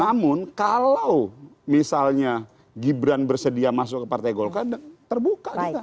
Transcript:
namun kalau misalnya gibran bersedia masuk ke partai golkar terbuka kita